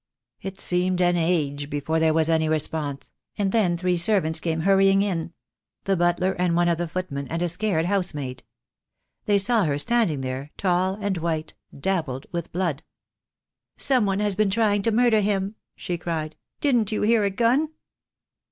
It seemed an age before there was any response, and then three servants came hurrying in — the butler, and one of the footmen, and a scared housemaid. THE DAY WILL COME. 7Q They saw her standing there, tall and white, dabbled with blood. "Some one has been trying to murder him," she cried. "Didn't you hear a gun?"